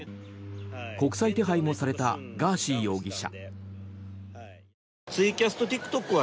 国際手配もされたガーシー容疑者。